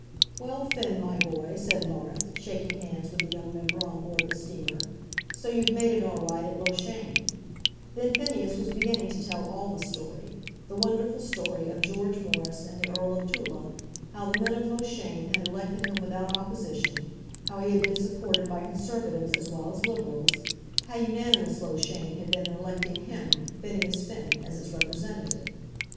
"Well, Finn, my boy," said Laurence, shaking hands with the young member on board the steamer, "so you've made it all right at Loughshane." Then Phineas was beginning to tell all the story, the wonderful story, of George Morris and the Earl of Tulla, how the men of Loughshane had elected him without opposition; how he had been supported by Conservatives as well as Liberals; how unanimous Loughshane had been in electing him, Phineas Finn, as its representative.